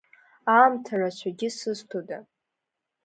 Аамҭа рацәагьы сызҭода.